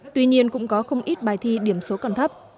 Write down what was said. tuy nhiên cũng có không ít bài thi điểm số còn thấp